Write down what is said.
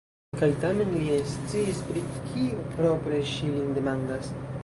Kaj tamen li ne sciis, pri kio propre ŝi lin demandas.